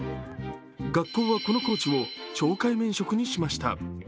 学校はこのコーチを懲戒免職にしました。